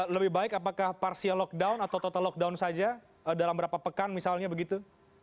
lebih baik apakah partial lockdown atau total lockdown saja dalam berapa pekan misalnya begitu